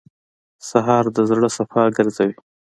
سهار د زړه صفا ګرځوي.